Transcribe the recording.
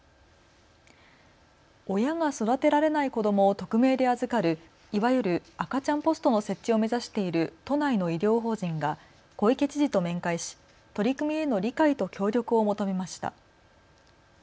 親が育てられない子どもを匿名で預かるいわゆる赤ちゃんポストの設置を目指している都内の医療法人が小池知事と面会し取り組みへの理解と協力を求めました。